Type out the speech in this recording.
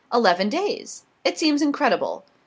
Eleven days. It seems incredible.